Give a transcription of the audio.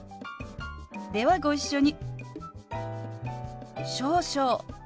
ではご一緒に。